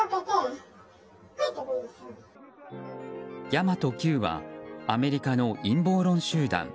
神真都Ｑはアメリカの陰謀論集団